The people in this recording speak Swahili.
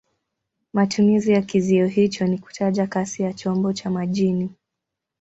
Matumizi ya kizio hicho ni kutaja kasi ya chombo cha majini.